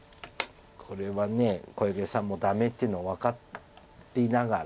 これは小池さんもダメっていうの分かっていながら。